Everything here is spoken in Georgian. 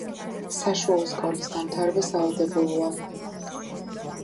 საშუალო სკოლის დამთავრება სავალდებულოა.